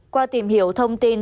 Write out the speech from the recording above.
qua tìm hiểu thông tin